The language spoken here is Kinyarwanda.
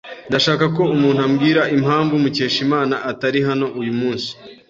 Ndashaka ko umuntu ambwira impamvu Mukeshimana atari hano uyu munsi.